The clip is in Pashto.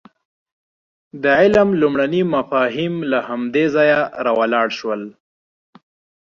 د علم لومړني مفاهیم له همدې ځایه راولاړ شول.